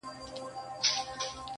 نه په کوډګرو نه په مُلا سي،